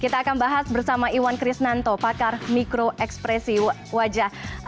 kita akan bahas bersama iwan krisnanto pakar mikro ekspresi wajah